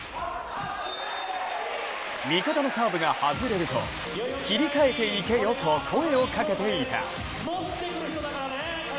味方のサーブが外れると切り替えていけよと声をかけていた。